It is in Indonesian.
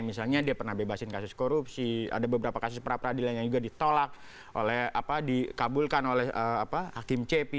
misalnya dia pernah bebasin kasus korupsi ada beberapa kasus peradilan yang juga ditolak dikabulkan oleh hakim cp